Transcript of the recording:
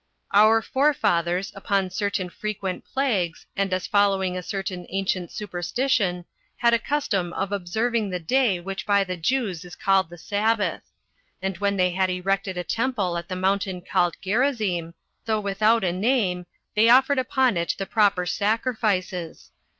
Our forefathers, upon certain frequent plagues, and as following a certain ancient superstition, had a custom of observing that day which by the Jews is called the Sabbath. 18 And when they had erected a temple at the mountain called Gerrizzim, though without a name, they offered upon it the proper sacrifices.